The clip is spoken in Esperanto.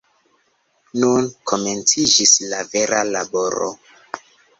Nun komenciĝis la vera laboro!